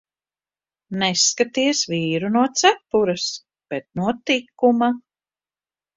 Neskaities vīru no cepures, bet no tikuma.